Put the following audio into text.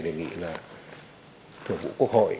đề nghị là thủ vụ quốc hội